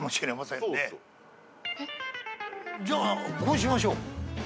じゃあこうしましょう。